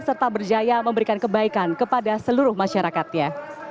serta berjaya memberikan kebaikan kepada seluruh masyarakatnya